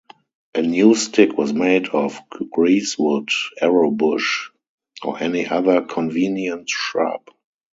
A new stick was made of greasewood, arrow bush, or any other convenient shrub.